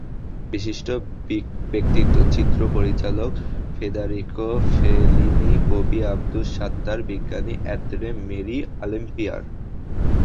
বিশিষ্ট ব্যক্তিত্ব—চিত্র পরিচালক ফেদারিকো ফেলিনি, কবি আবদুস সাত্তার, বিজ্ঞানী আঁদ্রে মেরি অ্যাম্পিয়ার।